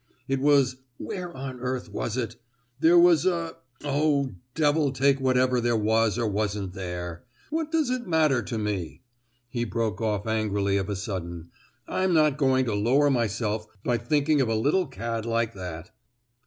It was—where on earth was it? There was a—oh! devil take whatever there was or wasn't there! What does it matter to me?" he broke off angrily of a sudden. "I'm not going to lower myself by thinking of a little cad like that!"